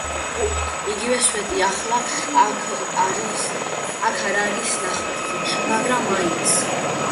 იგივე სვეტი ახლა აქ არ არის ნახატზე, მაგრამ მაინც.